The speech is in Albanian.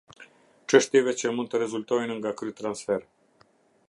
Çështjeve që mund të rezultojnë nga ky transfer.